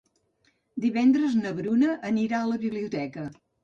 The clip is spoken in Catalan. Divendres na Bruna anirà a la biblioteca.